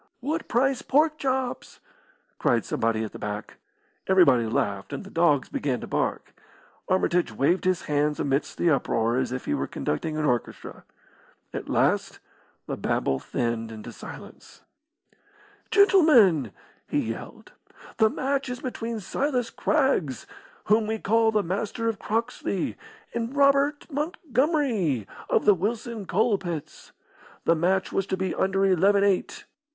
"What price pork chops?" cried somebody at the back. Everybody laughed, and the dogs began to bark. Armitage waved his hands amidst the uproar as if he were conducting an orchestra. At last the babel thinned into silence. "Gentlemen," he yelled, "the match is between Silas Craggs, whom we call the Master of Croxley, and Robert Montgomery, of the Wilson Coal pits. The match was to be under eleven eight.